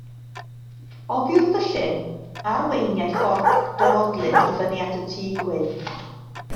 Oddi wrth y llyn arweiniai ffordd dywodlyd i fyny at y tŷ gwyn.